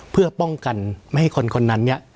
เพื่อป้องกันไม่ให้คนคนนั้นเนี่ย